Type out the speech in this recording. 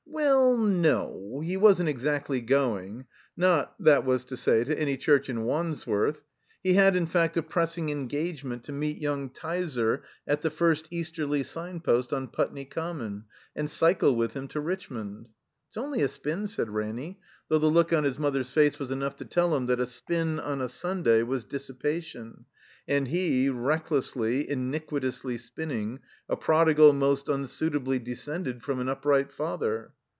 Well, no, he wasn't exactly going. Not, that was to say, to any church in Wandsworth. (He had, in fact, a pressing engagement to meet yoimg Tyser at the first easterly signpost on Putney Conmion, and cycle with him to Richmond.) "It's only a spin," said Ranny, though the look on his mother's face was enough to tell him that a spin, on a Stmday, was dissipation, and he, reckless ly, iniquitously spinning, a prodigal most unsuitably descended from an upright father.